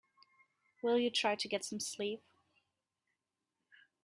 Will you try to get some sleep?